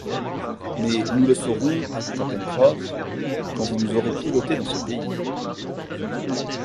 Mais nous le saurons, ajouta Pencroff, quand vous nous aurez piloté dans ce pays.